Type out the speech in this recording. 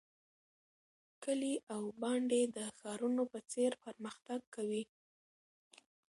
کلي او بانډې د ښارونو په څیر پرمختګ کوي.